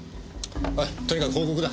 おいとにかく報告だ。